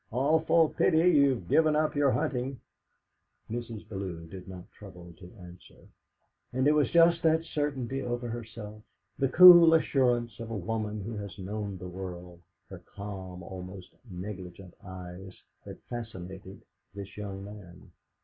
"Awful pity you've given up your huntin'." Mrs. Bellew did not trouble to answer, and it was just that certainty over herself, the cool assurance of a woman who has known the world, her calm, almost negligent eyes, that fascinated this young man.